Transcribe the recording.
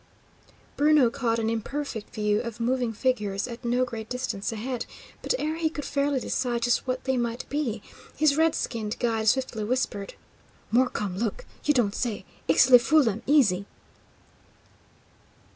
Bruno caught an imperfect view of moving figures at no great distance ahead, but ere he could fairly decide just what they might be, his red skinned guide swiftly whispered: "More come look. You don't say. Ixtli fool 'em easy!"